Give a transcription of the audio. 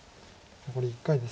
残り１回です。